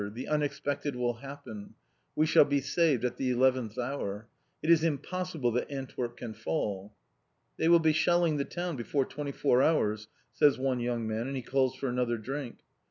The unexpected will happen. We shall be saved at the eleventh hour. It is impossible that Antwerp can fall. "They will be shelling the town before twenty four hours," says one young man, and he calls for another drink.